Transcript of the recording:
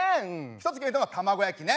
一つ決めたのは卵焼きね。